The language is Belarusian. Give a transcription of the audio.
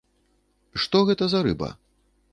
Што гэта за рыба?